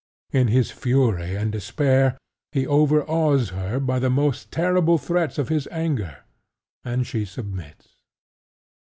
In his fury and despair he overawes her by the most terrible threats of his anger; and she submits.